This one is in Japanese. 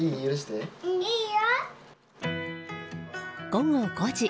午後５時。